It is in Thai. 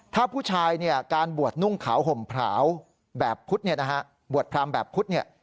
ถ้าผู้ชายเนี่ยการบวชนุ่งขาวห่มพราวแบบพุทธเนี่ยนะฮะบวชพรามแบบพุทธเนี่ย